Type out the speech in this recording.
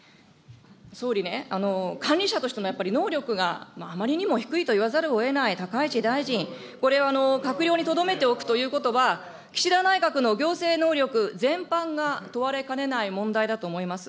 総理ね、管理者としての能力があまりにも低いといわざるをえない高市大臣、これ、閣僚にとどめておくということは、岸田内閣の行政能力全般が問われかねない問題だと思います。